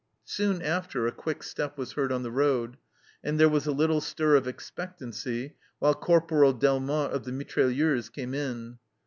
Soon after a quick step was heard on the road, and there was a little stir of expectancy while Corporal Delmotte of the Mitrailleurs came in.